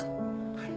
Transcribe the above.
はい！